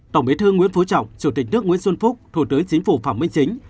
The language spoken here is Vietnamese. tổng bí thư nguyễn phú trọng chủ tịch nước nguyễn xuân phúc thủ tướng chính phủ phạm minh chính